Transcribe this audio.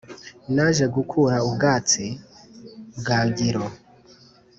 Naje gukura ubwatsi, Bwagiro